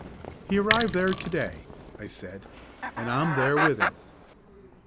"He arrived there to day," I said; "and I'm there with him."